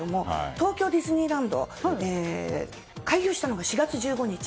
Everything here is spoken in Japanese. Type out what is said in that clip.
東京ディズニーランド開場したのが４月１５日。